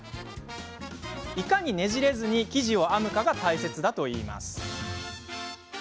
いかに、ねじれずに生地を編むかが大切だといいます。